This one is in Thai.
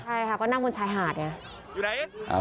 ใช่ค่ะก็นั่งบนชายหาดเนี่ย